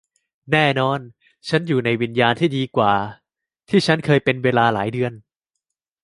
แน่นอนฉันอยู่ในวิญญาณที่ดีกว่าที่ฉันเคยเป็นเวลาหลายเดือน